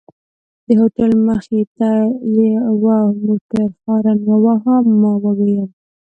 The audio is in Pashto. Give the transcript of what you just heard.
د هوټل مخې ته یوه موټر هارن وواهه، ما وویل.